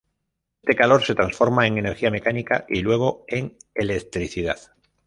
Este calor se transforma en energía mecánica y luego en electricidad.